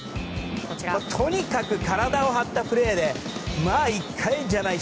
とにかく体を張ったプレーで１回じゃない。